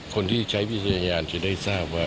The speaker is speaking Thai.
คนที่ใช้วิจัยงานจะได้ทำอย่างไร